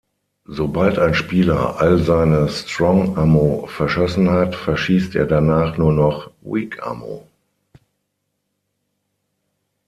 Sobald ein Spieler all seine Strong-Ammo verschossen hat, verschießt er danach nur noch Weak-Ammo.